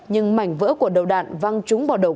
nhưng mảnh vỡ của đầu đạn văng trúng vào đầu